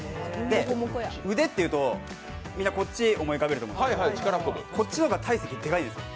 腕っていうと、みんなこっちを思い浮かぶと思うんですけどこっちの方が体積でかいんですよ。